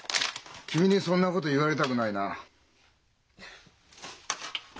君にそんなこと言われたくないな。